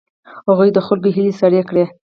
هغوی د خلکو هیلې سړې کړې.